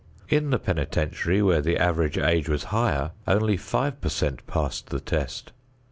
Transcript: In the penitentiary, where the average age was higher, only five per cent passed the test.